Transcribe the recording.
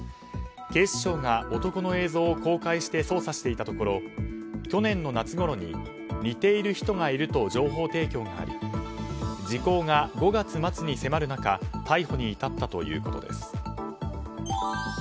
警視庁が男の映像を公開して捜査していたところ去年の夏ごろに似ている人がいると情報提供があり時効が５月末に迫る中逮捕に至ったということです。